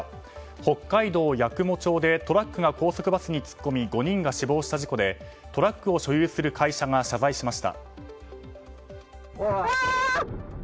北海道八雲町でトラックが高速バスに突っ込み５人が死亡した事故でトラックを所有する会社が謝罪しました。